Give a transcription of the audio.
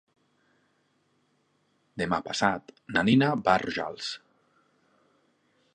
Demà passat na Nina va a Rojals.